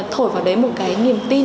thổi vào đấy một cái niềm tin